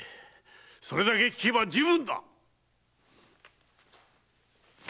それだけ聞けば充分だ！